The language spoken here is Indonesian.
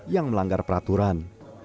yang melanggar peraturan